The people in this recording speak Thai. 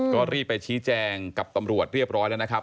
ก็รีบไปชี้แจงกับตำรวจเรียบร้อยแล้วนะครับ